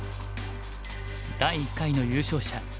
第１回の優勝者